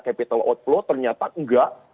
capital outflow ternyata enggak